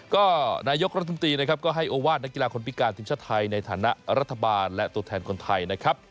ก็นายกรัฐมนตรีนะครับก็ให้โอวาสนักกีฬาคนพิการทีมชาติไทยในฐานะรัฐบาลและตัวแทนคนไทยนะครับ